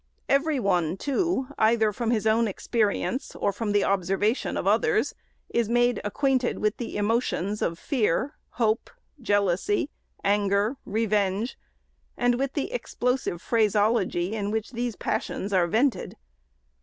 Every one, too, either from his own experience, or from the observation of others, is made acquainted with the emotions of fear, hope, jealousy, anger, revenge, and with the explosive phraseology in which those passions are vented.